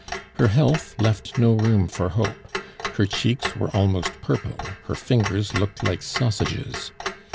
Her health left no room for hope; her cheeks were almost purple; her fingers looked like sausages.